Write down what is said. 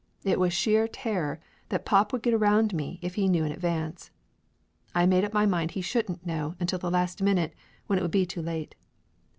It was sheer terror that pop would get around me if he knew in advance. I made up my mind he shouldn't know until the last minute, when it would be too late.